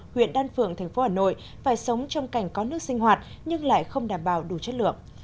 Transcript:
huyện đan phượng thành phố hà nội phải sống trong cảnh có nước sinh hoạt nhưng lại không đảm bảo đủ chất lượng